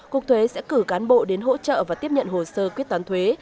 cục thuế sẽ cử cán bộ đến hỗ trợ và tiếp nhận hồ sơ quyết toán thuế